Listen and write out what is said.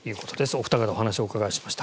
お二方にお話をお伺いしました。